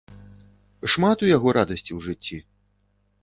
Шмат у яго радасці ў жыцці?